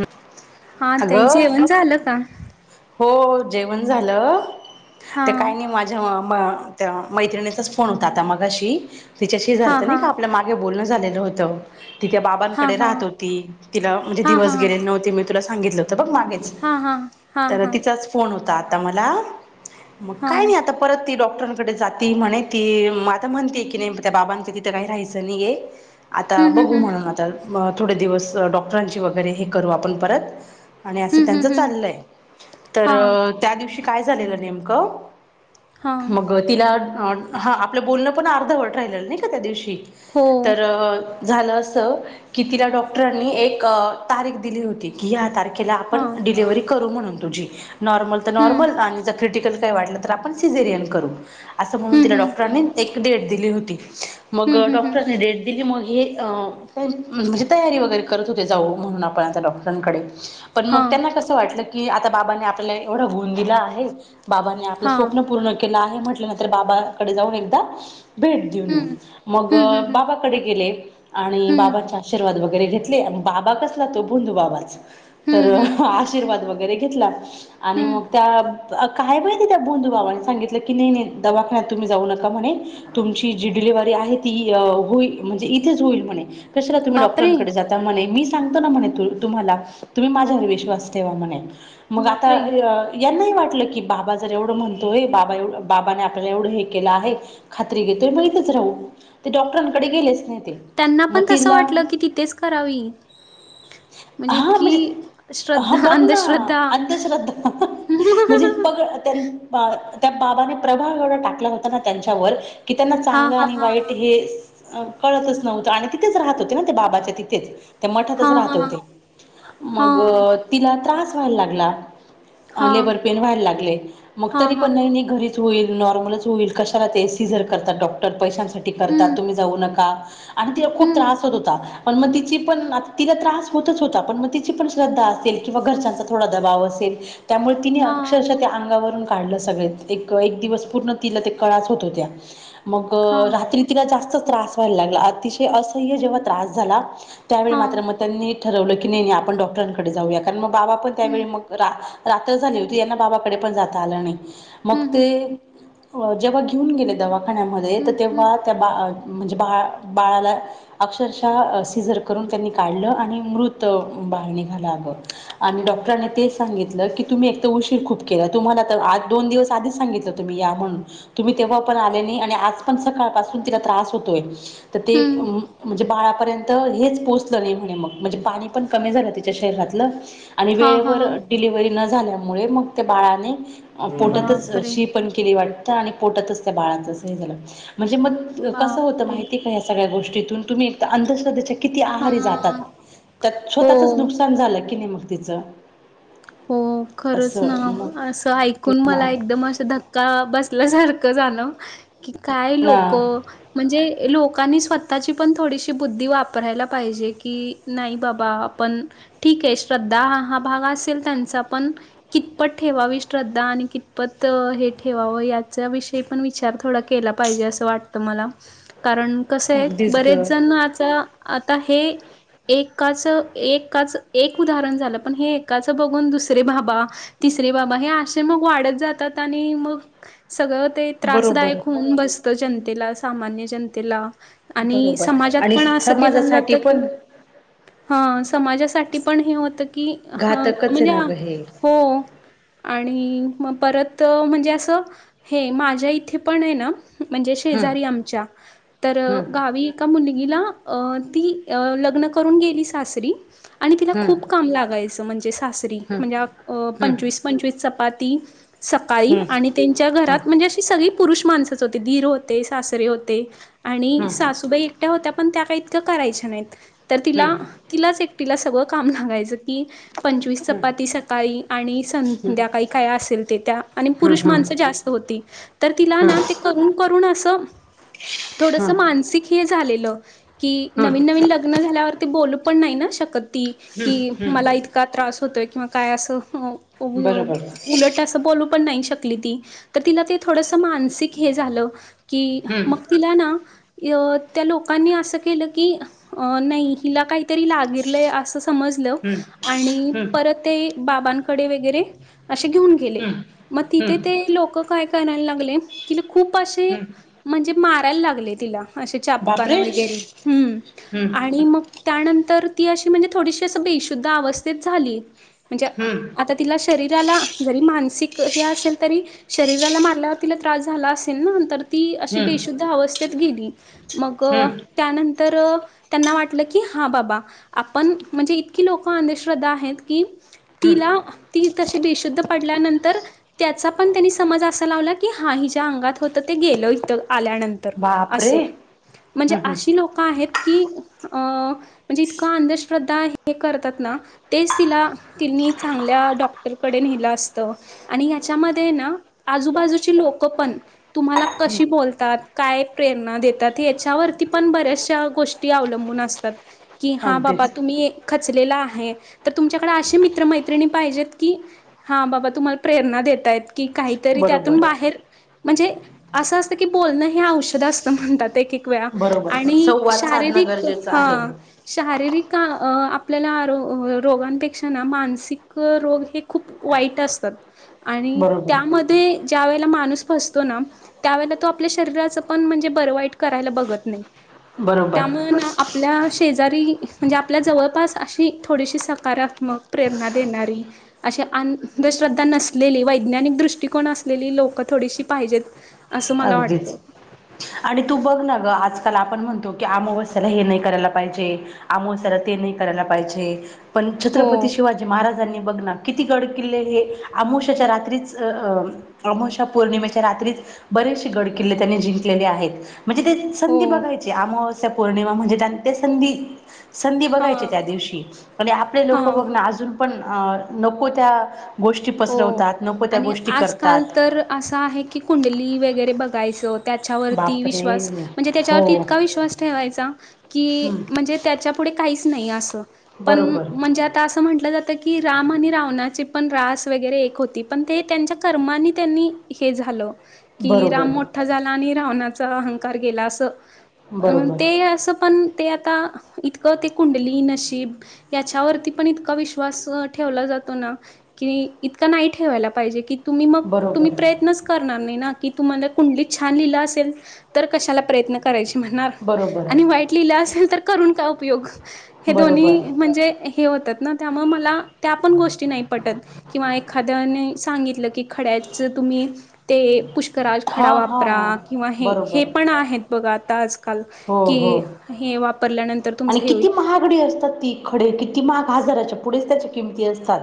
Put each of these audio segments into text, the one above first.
[inaudible] हा ताई अगं जेवण झालं का? हो हो जेवण झालं हा ते काय नाही माझ्या ह म त्या मैत्रिणीचाच फोन होता आता मघाशी तिच्याशी हा घरच्यानी हा नाय का आपल्या मागे बोलण झालेलं होत ती त्या हा बाबानंकड हा राहत होति तीला म्हणे हा हा हा दिवस गे नव्ह मी तु सांगितलं होत बघ मागेच हा हा हा तर हा तिचाच फोन होता आता मला- मग काय नाही हम्म आता परत ती डॉ- डॉक्टरांकडे जाती म्हणे ती आता म्हणते की नाही त्या बाबांकडे तिथं काही राहाचं नाहीये आता हम्म बघू हम्म म्हणून आता थोडे दिवस डॉक्टरांची वगैरे हे करू आपण परत- आणि असं हम्म त्यांचं हम्म हम्म चाललंय तर हा त्या दिवशी काय झालेलं हा नेमकं- मग तिला हा आपलं बोलणं पण अर्धवट राहिलेलं नाही का त्या दिवशी- हो तर- झालं असं की तिला डॉक्टरांनी एक तारीख दिली होती की ह्या तारीखे [inaudible] तिला हा आपण डिलिव्हरी करू म्हणून तुझी नॉर्मल तर हम्म नॉर्मल अन जर क्रिटिकल [inaudible] काय वाटल तर आपण सजरियन करू अस म्हणून हम्म तिला हम्म डॉक्टरांनी एक डेट दिली होती. मग हम्म हम्म हम्म डॉक्टरनी डेट दिलीढ मग हे अं म्हणजे तयारी वगैरे करत होते जाऊ म्हणून आपण आता डॉक्टरांकडे पण हा मग त्यांना कसं वाटलं की आता बाबानी आपल्याला एवढा गुण दिला आहे बाबानी आपलं हा स्वप्न पूर्ण केलं आहे म्हटल्यानंतर बाबाकडे जाऊन एकदा- भेट देऊन येऊ हम्म मग हम्म हम्म बाबाकडे गेले आणि हम्म बाबाांच्या आशीर्वाद बघ [inaudible] घेतले बाबा कसला तो भोंदू बाबाच तर हम्म हम्म आशीर्वाद ब [inaudible] [inaudible] घेतला आणि हम्म मग त्या अं कायं माहिती त्या भोंदू बाबानं काय संगीतल की नाय नाय दावा [inaudible] तुम्ही जाऊ नका म्हणे तुमघी जी डिलेवारी आहे ती होईल म्हणजे इथेच होईल म्हणे [inaudible] कशाला तुम्ही बापरे डॉक्टरांकडे जात म्हणे म [inaudible] [inaudible] [unintelligible] [unintelligible] [unintelligible] [unintelligible] [unintelligible] [unintelligible] [unintelligible] [unintelligible] बापरे यांनाही वाटलं की बाबा जर एवढं म्हणतोय बाबा एव बाबाने आपल्याला एवढं हे केलं आहे खात्री घेत [inaudible] तेबोले हितच राहू ते डॉक्टरांकडे गेलेच नाहीत. त्यांना पण तसं वाटलं की तिथेच करावी.. म्हणजे इतकी हा श्रद्धा बघ ना अंधश्रद्धा. अंधश्रद्धा ह ह म्हणजे पगड त्यां अं [inaudible] त्या बाबाने प्रभाव एवढा टाकला होता ना त्यांच्यावर की त्यांना हा चांगलं हा आणि हा वाईट हा हे - - अ कळतच नव्हतं आणि तिथेच राहत होते ना ते बाबाच्या तिथेच. त्या हा मठातच हा राहत हा होते. हा मग तिला त्रास व्हायला लागला. हा लेबर पेन व्हायला लागले. मग हा तरी हा पण नई नई घरीच - - होईल. नॉर्मलच होईल. कशाला ते सीझर करतात डॉक्टर पैशांसाठी करतात हम्म तुम्ही जाऊ नका. आणि तिला खूप हम्म त्रास होत होता. पण मग तिची पण तिला त्रास होतच होता पण मग तिची पण श्रद्धा असेल. किंवा घरच्यांचा थोडा दबाव असेल त्यामुळे तिने हा अक्षरशः ते अंगावरून- - काढलं सगळे एक एक दिवस पूर्ण तिला ते कळाच होत होत्या. मग हा रात्री तिला जास्तच त्रास व्हायला लागला. अतिशय असह्य जेव्हा त्रास झाला. त्यावेळी हा मात्र मग त्यांनी ठरवलं की नाही नाही आपण डॉक्टरांकडे जाऊया कारण मग बाबा पण त्यावेळी हम्म मग रा - - रात्र झाली होती यांना बाबाकडे पण जाता आलं नाही मग हम्म ते जेव्हा घेऊन गेले दवाखान्यामध्ये तर हम्म हम्म तेव्हा त्या बा म्हणजे बाळ बाळाला अक्षरशः सिजर करून त्यांनी काढलं आणि मृत बाळ निघालं अगं आणि डॉ डॉक्टरांनी तेच सांगितलं की तुम्ही एक तर उशीर खूप केला. तुम्हाला आ दोन दिवस आधीच सांगितलं होत तुम्ही या म्हणून - - तुम्ही तेव्हा पण आले नाही आणि आज पण सकाळ पाासून तिला त्रास होतोय. तर ते हम्म म्हणजे बाळ - - बाळापर्यंत हेच पोहचलं नाही म्हणे मग म्हणजे पाणी पण कमी झालं तिच्या शरीरातलं आणि हा वेळे - - हा वर डिलिव्हरी न झाल्यामुळे मग त्या बाळाने पोटातच बापरे शी पण केली वाट - - त आणि पोटतच त्या बाळाचं असं हे झालं म्हणजे मग कस होत बापरे माहिती का ह सगळ्या गोष्टी - - तुम्ही अंधश्रद्धेच्या किती हा आहारी जातात. तर स्वतः चच हो नुकसान झालं की नाही मग. तिचं - - हो खरच ना मग असं ते ऐकून ना मला एकदम अस धक्का बस - - ल्यासारखं झालं की काय ना लोक म्हणजे लोक - - लोकांनी स्वतःची पण थोडीशी बुद्धी वापरायला पाहिजे की नाही बाबा आपण ठीक - - केय श्रद्धा हा हा भाग असेल त्यांचा पण कितपत ठेवावी श्रद्धा आणि कितपत हे ठेवाव याच्याविषयी - - आपण विचार थोडा के - - केला पाहिजे असं वाटत मला कारण कसं आहे अगदीच ग बरेच जण आता - - आता हे एकाच एकाच एक उदाहरण झालं पण हे एकाच बघून दुसरे बाबा तिसरे बाबा हे असे मग वाढत जातात आणि मग - - सगळं ते बरोबर त्रासदायक होऊन बसतं जनतेला सामान्य जनतेला. आणि बरोबर समाजात आणि पण असं केलं जात समाजासाठी की पण हा समाजासाठी पण हे होत की ह घातकच आहे ना ग हे [unintelligible] हो आणि - - मग परत म्हणजे असं हे माझ्या इथे पण हे ना- - म्हणजे हम्म शेजारी आमच्या तर हम्म गावी एका मुली ला ती लग्न करून गेली सासरी आणि तिला हम्म खूप काम लागायच. म्हणजे सासरी हम्म म्हणजे हम्म पंचवीस हम्म पंचवीस चपाती. सकाळी आणि त्यांच्या हा घरात म्हणजे अशी सगळी पुरुष माणस च होते. दीर होते. सासरे होते आणि हम्म सासूबाई एकट्या होत्या. त्या इतक करायच्या नाहीत. तर हम्म हम्म तिला हम्म तिलाच ए - - टिला सगळं काम लागायचं. ती पंचवीस चपाती सकाळी आणि संध्याकाळी काय असेल ते त्या आणि हम्म हम्म हम्म पुरुष हम्म माणसं जास्त होती. तर तिला हम्म ना हम्म ते करून करून असं थोडस मानसिक हे झालेलं. कि नवीन नवीन लग्न झाल्यावरती बोलू पण नाही ना शकत ती कि हम्म मला इतका त्रास - - होतोय किंवा काय अस उ बरोबर उलट असं बोलू पण नाही श थकली ती तर तिला ते थोडस मानसिक हे झालं. की हम्म मग तिला ना अ त्या लोकांनी असं केलं की, अ नाही हिला काही तरी लागिरलंय असं समजलं. हम्म आणि हम्म परत ते बाबांकडे वगैरे असे घेऊन गेले हम्म मग तिथे हम्म ते लोक काय काय आणायला लागले. तिला खूप असे हम्म म्हणजे मारायला लागले तिला असे चापकान बापरे वगैरे हम्म हम्म आणि मग त्यानंतर ती अशी म्हणजे थोडीशी असं बेशुद्ध अवस्थेत झाली. म्हणजे हम्म आता तिला शरीराला जरी मानसिक हे असेल तरी शरीराला मारल्यावर तिला त्रास झाला असेल ना. तर ती अशी हम्म बेशुद्ध अवस्थेत गेली. मग हम्म त्यानंतर त्यांना वाटलं की हा बाबा आपण म्हणजे इतकी लोक अंधश्रद्धा आहेत की तिला ती तशी बेशुद्ध पडल्यानंतर त्याचा पण त्यांनी समज असा लावला की हा हिज्या अंगात होतं ते गेलं इथं. आल्यानंतर अस बापरे हम्म म्हणजे हम्म अशी लोक आहेत. की अ म्हणजे इतका अंधश्रद्धा हे करतात ना तेच तिला तिनी चांगल्या डॉक्टर कडे नेलं असत आणि याच्यामध्ये ना आजू बाजूचे लोक पण तुम्हाला कशी बोलतात. काय प्रेरणा देतात यांच्यावरती पण बऱ्याचशा गोष्टी अवलंबून असतात. की हा बाबा अगदीच तुम्ही खचलेला आहे. तर तुमच्याकडे अशी मित्रमैत्रिणी पाहिजेत की, हां बाबा तुम्हाला प्रेरणा देतायत. कि काहीतरी त्यातून बरोबर बाहेर म्हणजे असं असतं की बोलणं हे औषध असतं. म्हणतात ते की बरोबर आणि संवाद साधणं शारिरिक. गरजेचं हा आहे शारीरिक का आपल्याला आरो रोगांपेक्षा ना मानसिक रोग हे खूप वाईट असतात. आणि बरोबर त्यामध्ये ज्या वेळेला मा णूस फसतो ना, त्यावेला तो आपल्या शरीराच पण म्हणजे बर वाईट करायला बघत नाही. बरोबर त्यामुळे आपल्या शेजारी म्हणजे आपल्या जवळपास अशी थोडीशी स सकारात्मक प्रेरणा देणारी अशे अंधश्रद्धा नसलेली वैज्ञानिक दृष्टिकोन अस असलेली लोक थोडीशी पाहिजेत. असं मला वाटतं अगदीच आणि तू बघ ना ग आज त्याला आपण म्हणतो की, अमावस्याला हे नाही करायला पाहिजे. अमावस्याला ते नाही करायला पाहिजे. पण हो छत्रपती शिवाजी महाराजांनी बघना. किती गड किल्ले हे अमावस्येच्या रात्रीच अ अमोशा पौर्णिमेच्या रात्रीच बरेसे गड किल्ले त्यांनी जिंकलेले आहेत. म्हणजे ते हो संधी बघायची आम वस्या पौर्णिमा म्हणजे त्यात ते संधी संधी बघायचे हां त्या दिवशी. आणि आपले लोक हां बघ ना अजून पण अ नको त्या गोष्टी हो पसरवतात नको त्या आणि गोष्टी आजकाल करतात तर असं आहे की कुंडली वगैरे बघायचं हो त्याच्यावरती बापरे विश्वास म्हणजे हो त्याच्यावरती इतका विश्वास ठेवायचा की, हम्म म्हणजे त्याच्या पुढे काहीच नाही अस. पण बरोबर म्हणजे अस म्हटल जात की राम आणि रावणाची पण रास स वगैरे एक होती. पण ते त्यांच्या कर्मानी त्यांनी हे झालं. कि राम बरोबर मोठा झाला. आणि रावणाचा अहंकार गेला. असं अ बरोबर ते असं पण ते आता इतकं ते कुंडली नशीब याच्यावरती पण इतका विश्वास ठेवला जातो इतका नाही ठेवायला पाहिजे क तुम्ही मग तुम्ही बरोबर प्रयत्नच करणार नाही. की तुम्हांला कुंडली छान लिहिलं असेल तर कशाला प्रयत्न करायचे. म्हणार बरोबर आणि वाईट लिहिलं असेल तर करून काय उपयोग? हे बरोबर दोन्ही म्हणजे हे होतात ना त्यामुळे मला त्या पण गोष्टी नाही पटत. एखाद्याने सांगितलं की खड्याच तुम्ही ते पुष्कराज खडा हां हां वापरा. किंवा हे बरोबर पण आहेत बघा. आता आजकाल हो की हो हे वापरल्यान आणि किती महागडी असतात ती खडे किती महाग हाजाराच्या पुढेच त्याच्या किमती असतात.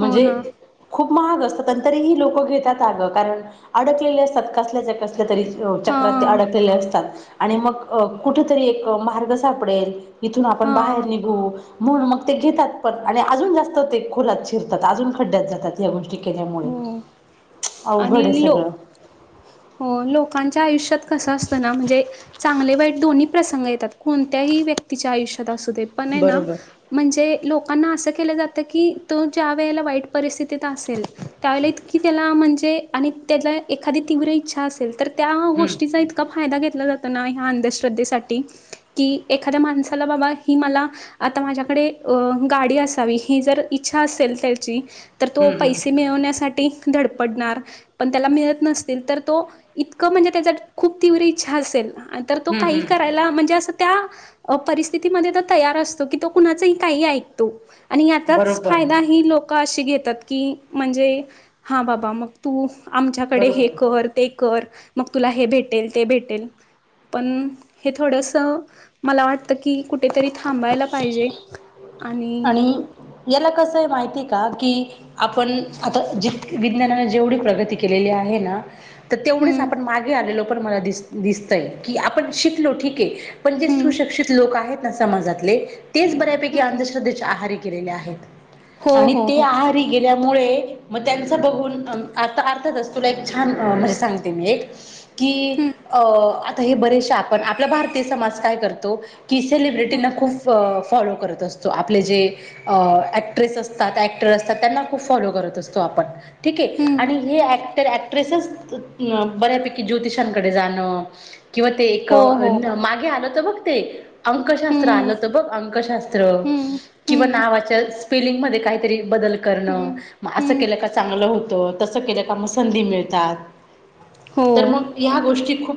हो ना खूप महाग असतातं तरीही लोकं घेतात, आगं कारण अडकलेले असतात कासल्या ज कस तरी हा चक्रात अडकलेले असतात. आणि मग कुठतरी एक मार्ग सापडेल इथून आपण हा बाहेर निघू म्हणून मग ते घेतात, पण आणि अजून जास्त ते खोलात शिरतात, अजून खड्ड्यात जातात ह्या गोष्टी केल्यामुळे हो अवघड आहे आणि लो सगळं. हो लोकांच्या आयुष्यात कस असत ना म्हणजे चांगले वाईट दोही प्रसंग येतात कोणत्याही व्यक्तीच्या आयुष्या असूदे पणेना बरोबर म्हणजे लो काना असं केलं जातं की तो ज्या वेळेला वाईट परिस्थितीत असेल. त्यावेळेला इतकी त्याला म्हणजे आणि त्याला एखादी तीव्र इच्छा असेल, तर त्या हम्म गोष्टीचा इतका फादा घेतला जातो ना या अंनद्धेश्रधेसाठी की एखाद्या माणसाला बाबा ही मला आता माझ्याकडे गाडी असावी ही जर इछा असे त्याची तर तो हम्म पैसे हम्म मिळावण्या साठी धडपडणार, पण त्याला मिळत नसतील तर तो इतक म्हणजे त्याच्यात खूप तीव्र इच्छा असेल तो हम्म काही हम्म करायला म्हणजे अस त्या परिस्थितीमध्ये तयार असतो की तो कुणाचही काही ऐकतो. आणि याचाच बरोबर फायदा ही लोकं अशी घेतात, की म्हणजे हां बाबा मग तू आमच्याकडे हे बरोबर कर ते कर मग तुला हे भेटेल ते भेटेल पण हे थोडस मला वाटतं की कुठेतरी थांबायला पाहिजे. आणि याला कसये माहितीय का? कि आपण आता ज विज्ञानाने जेवढी प्रगती केलेली आहे ना. तर तेवढेच हम्म आपण मागे आलेलो पण मला दिस दिसतय की आपण शिकलो ठीके पण जे हम्म सुशिक्षीत लोक आहेत ना समाजातले तेच बऱ्यापैकी हम्म आंधश्र धे आहारी गेलेले आहेत. हो आणि हो ते हो आहारी गेल्या मुळे मग त्यांच बघून आता अर्थातच तुला एक छान म्हणजे सांगते मी एक कि हम्म अ आता हे बरेचसे आपण आपला भारतीय समाज काय करतो. की हम्म सेलिब्रिटींना खूप फॉलो करत असतो. आपले जे अ ऍक्ट्रेस असतात, ऍक्टर असतात, त्यांना खूप फॉलो करत असतो आपण. ठीके हम्म आणि हे ॲक तर ऍक्ट्रेसच बऱ्यापैकी ज्योतिषांकडे जाणं किंवा ते एक हो हो मागे आलत बघ ते अंकशास्त्र हम्म आलं होत बघ अंकशास्त्र हम्म किंवा हम्म नावाच्या स्पेलिंगमध्येध्ये काहीतरी बदल करण हम्म मग असं हम्म केलं का चांगलं होत, तसं केलं का मग संधी मिळतात. तर हो मग ह्या गोष्टी खूप